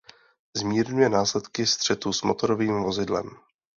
Zmírňuje následky střetu s motorovým vozidlem.